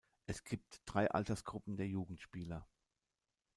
Es gibt drei Altersgruppen der Jugendspieler.